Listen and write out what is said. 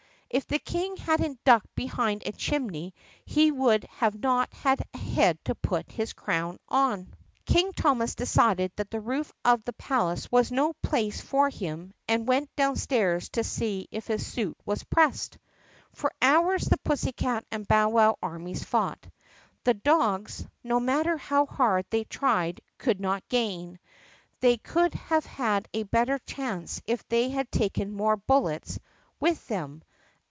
If the King had n't ducked behind a chimney he would not have had a head to put his crown on. THE PUSSYCAT PRINCESS 36 King Thomas decided that the roof of the palace was no lace for him and went downstairs to see if his suit was pressed. For hours the pussycat and bowwow armies fought. The ogs, no matter how hard they tried, could not gain. They ^uld have had a better chance if they had taken more bullets th them.